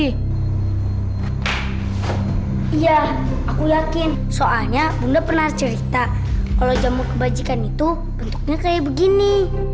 iya aku yakin soalnya bunda pernah cerita kalau jamu kebajikan itu bentuknya kayak begini